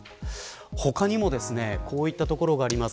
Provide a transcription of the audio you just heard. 他にもこういったところがあります。